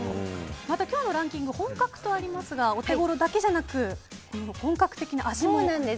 また今日のランキング本格的とありますがお手頃だけじゃなくて本格的に、味も。